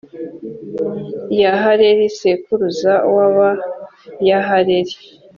yahaleli sekuruza w’abayahaleli.